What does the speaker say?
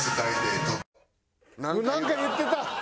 なんか言ってた！